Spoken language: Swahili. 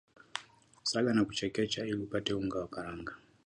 saga na kuchekecha ili upate unga wa karanga